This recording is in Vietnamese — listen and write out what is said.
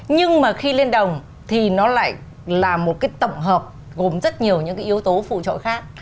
nhưng mà khi liên đồng thì nó lại là một cái tổng hợp gồm rất nhiều những cái yếu tố phụ trội khác